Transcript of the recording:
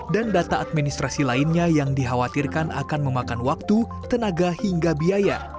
dan data administrasi lainnya yang dikhawatirkan akan memakan waktu tenaga hingga biaya